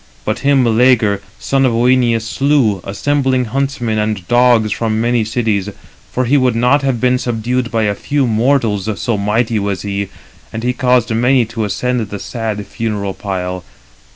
But him Meleager, son of Œneus, slew, assembling huntsmen and dogs from many cities; for he would not have been subdued by a few mortals: so mighty was he, and he caused many to ascend the sad funeral pile.